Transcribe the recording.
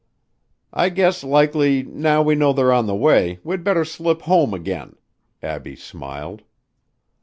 "I guess likely now we know they're on the way, we'd better slip home again," Abbie smiled.